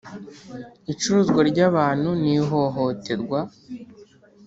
icuruzwa ry’abantu n’ihohoterwa